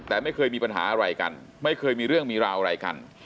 แต่ไม่เคยมีปัญหาอะไรกันไม่เคยมีเรื่องมีราวอะไรกัน